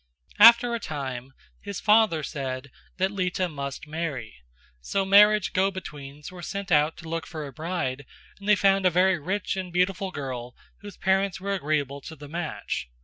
After a time his father said that Lita must marry; so marriage go betweens were sent out to look for a bride and they found a very rich and beautiful girl whose parents were agreeable to the match.